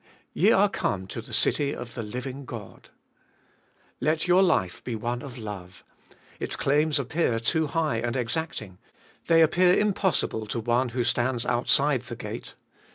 Ye are come to the city of the living God. Let your life be one of love. Its claims appear too high and exacting, they appear impossible to one who stands outside the gate.